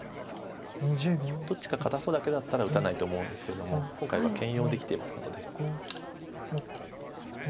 どっちか片方だけだったら打たないと思うんですけれども今回は兼用できていますので。